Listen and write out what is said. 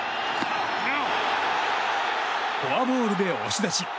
フォアボールで押し出し。